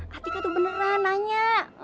hati hati beneran nanya